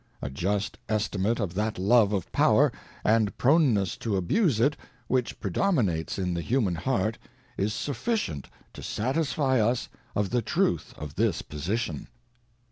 ŌĆö A just estimate of that love of power, and proneness to abuse it, which predominates in the human heart, is sufficient to satisfy us of the truth of this position.